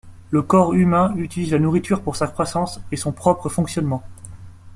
Le corps humain utilise la nourriture pour sa croissance et son propre fonctionnement.